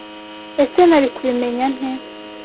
Ese Nari kubimenya nte?